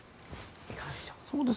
いかがでしょう？